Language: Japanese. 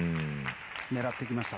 狙っていきました。